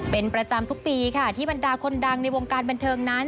เป็นประจำทุกปีค่ะที่บรรดาคนดังในวงการบันเทิงนั้น